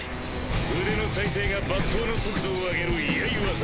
腕の再生が抜刀の速度を上げる居合技。